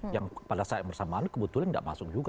yang pada saat bersamaan kebetulan nggak masuk juga